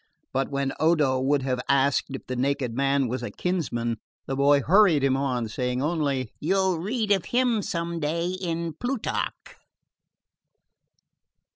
But when Odo would have asked if the naked man was a kinsman, the boy hurried him on, saying only: "You'll read of him some day in Plutarch."